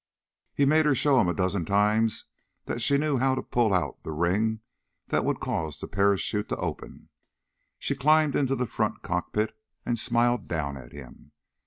He made her show him a dozen times that she knew how to pull out the ring that would cause the parachute to open. She climbed into the front cockpit and smiled down at him.